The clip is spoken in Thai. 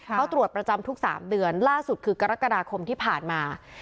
เขาตรวจประจำทุก๓เดือนล่าสุดคือกรกฎาคมที่ผ่านมา